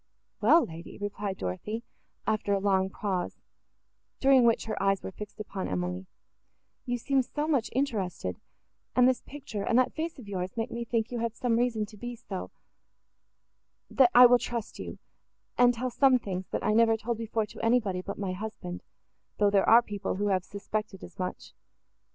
"Well, lady!" replied Dorothée, after a long pause, during which her eyes were fixed upon Emily, "you seem so much interested,—and this picture and that face of yours make me think you have some reason to be so,—that I will trust you—and tell some things, that I never told before to anybody, but my husband, though there are people, who have suspected as much.